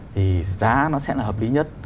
thì giá nó sẽ là hợp lý nhất